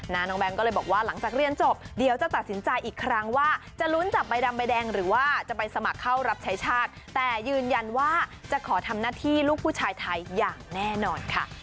น้องแบงค์ก็เลยบอกว่าหลังจากเรียนจบเดี๋ยวจะตัดสินใจอีกครั้งว่าจะลุ้นจับใบดำใบแดงหรือว่าจะไปสมัครเข้ารับใช้ชาติแต่ยืนยันว่าจะขอทำหน้าที่ลูกผู้ชายไทยอย่างแน่นอนค่ะ